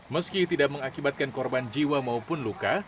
meski tidak mengakibatkan korban jiwa maupun luka